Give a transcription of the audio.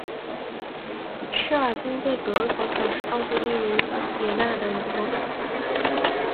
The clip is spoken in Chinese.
施瓦岑贝格广场是奥地利维也纳的一个广场。